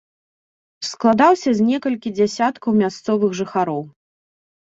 Складаўся з некалькіх дзясяткаў мясцовых жыхароў.